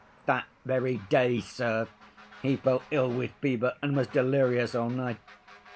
"That very day, sir, he fell ill with fever and was delirious all night.